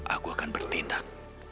aku akan bertindak